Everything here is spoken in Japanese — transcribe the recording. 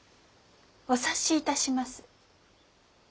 お察しいたします。